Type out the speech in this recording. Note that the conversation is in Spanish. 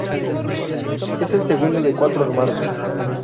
Es el Segundo de cuatro hermanos.